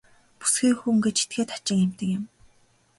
Бүсгүй хүн гэж этгээд хачин амьтан юм.